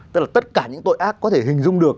tức là tất cả những tội ác có thể hình dung được